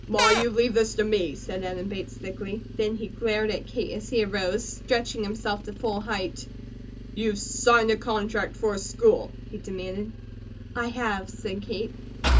"Ma, you leave this to me," said Adam Bates, thickly. Then he glared at Kate as he arose, stretching himself to full height. "You've signed a contract for a school?" he demanded. "I have," said Kate.